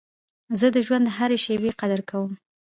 زه د ژوند د هري شېبې قدر کوم.